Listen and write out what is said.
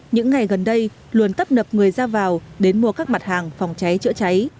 những ngày gần đây luôn tấp nập người ra vào đến mua các mặt hàng phòng cháy chữa cháy